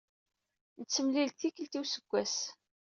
Nettemlil-d tikelt i useggas